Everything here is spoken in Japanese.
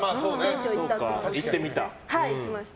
行ってみた？